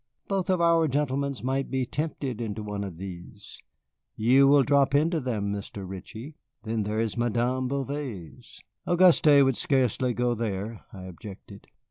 "Both of our gentlemen might be tempted into one of these. You will drop into them, Mr. Ritchie. Then there is Madame Bouvet's." "Auguste would scarcely go there," I objected.